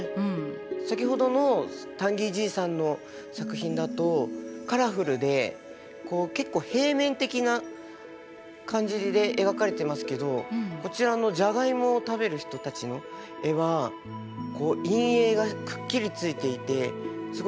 先ほどの「タンギー爺さん」の作品だとカラフルでこう結構平面的な感じで描かれてますけどこちらのジャガイモを食べる人たちの絵はこう陰影がくっきりついていてすごい立体的な作品ですね。